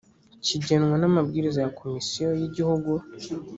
kigenwa n amabwiriza ya komisiyo y igihugu